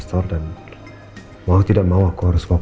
silahkan mbak mbak